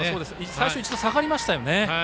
最初、一度下がりましたね。